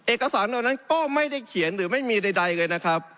เหล่านั้นก็ไม่ได้เขียนหรือไม่มีใดเลยนะครับ